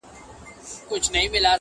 لکه خُم ته د رنګرېز چي وي لوېدلی -